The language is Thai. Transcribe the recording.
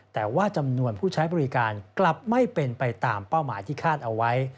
แต่ว่าจำนวนผู้ใช้บริการกลับไม่เป็นไปตามเป้าหมายที่คาดเอาไว้